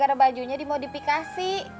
gara gara bajunya dimodifikasi